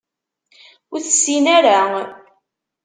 Ur tessin ara.